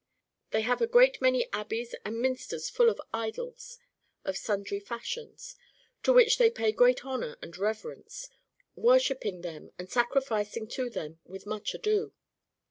^ They have a great many abbeys and minsters full of idols of sundry fashions, to which they pay great honour and reverence, worshipping them and sacrificing to them with much ado.